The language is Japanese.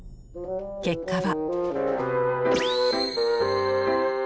結果は。